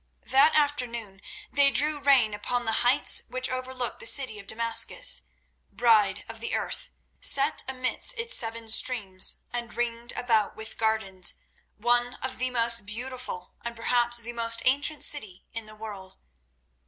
That afternoon they drew rein upon the heights which overlook the city of Damascus, Bride of the Earth, set amidst its seven streams and ringed about with gardens, one of the most beautiful and perhaps the most ancient city in the world.